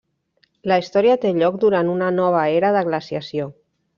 La història té lloc durant una nova era de glaciació.